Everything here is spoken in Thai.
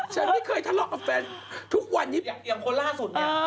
ฉันไม่เคยทะลอกกับแฟนถึงวันอยู่อย่างคนล่าสุด